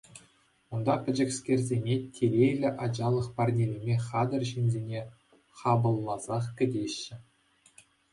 Унта пӗчӗкскерсене телейлӗ ачалӑх парнелеме хатӗр ҫынсене хапӑлласах кӗтеҫҫӗ.